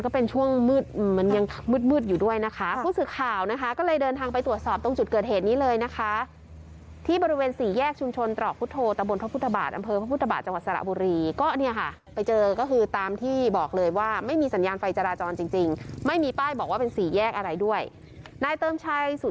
ก็เป็นช่วงมืดมันยังมืดมืดอยู่ด้วยนะคะผู้สื่อข่าวนะคะ